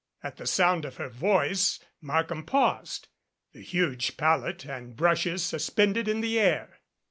At the sound of her voice Markham paused, the huge palette and brushes suspended in the air.